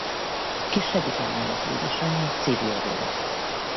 Kisebbik lányának édesanyja civil volt.